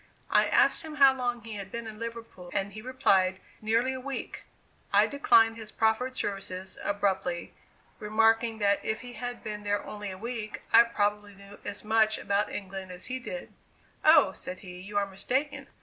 I asked him how long he had been in Liverpool, and he replied, "Nearly a week." I declined his proffered services abruptly, remarking that if he had been there only a week, I probably knew as much about England as he did. "Oh," said he, "you are mistaken.